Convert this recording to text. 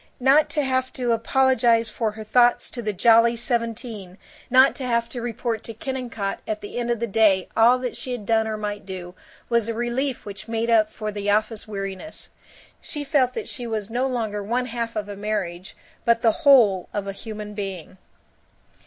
Not to have to apologize for her thoughts to the Jolly Seventeen, not to have to report to Kennicott at the end of the day all that she had done or might do, was a relief which made up for the office weariness. She felt that she was no longer one half of a marriage but the whole of a human being.